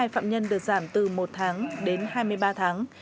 hai trăm bốn mươi hai phạm nhân được giảm từ một tháng đến hai mươi ba tháng